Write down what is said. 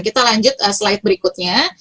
kita lanjut slide berikutnya